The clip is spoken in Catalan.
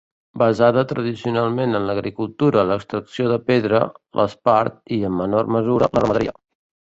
Basada tradicionalment en l'agricultura, l'extracció de pedra, l'espart i, en menor mesura, la ramaderia.